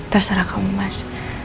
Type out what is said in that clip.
terserah kamu mas